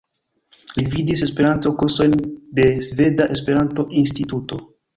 Li gvidis Esperanto-kursojn de Sveda Esperanto-Instituto.